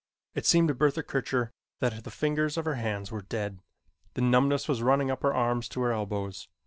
It seemed to Bertha Kircher that the fingers of her hands were dead. The numbness was running up her arms to her elbows.